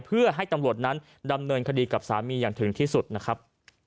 เพื่อให้ตำรวจนั้นดำเนินคดีกับสามีอย่างถึงที่สุดนะครับ